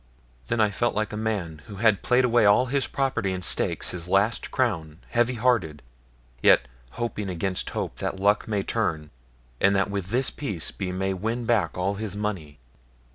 Then I felt like a man who has played away all his property and stakes his last crown heavy hearted, yet hoping against hope that luck may turn, and that with this piece he may win back all his money.